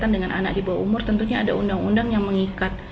dan anak di bawah umur tentunya ada undang undang yang mengikat